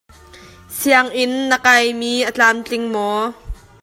Sianginn na kai mi a tlamtling maw?